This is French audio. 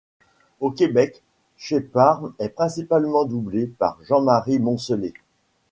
Au Québec, Shepard est principalement doublé par Jean-Marie Moncelet.